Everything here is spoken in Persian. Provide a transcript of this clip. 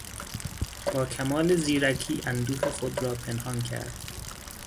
با کمال زیرکی اندوه خود را پنهان کرد.